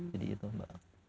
jadi itu mbak